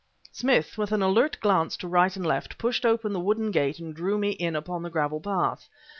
Smith, with an alert glance to right and left, pushed open the wooden gate and drew me in upon the gravel path.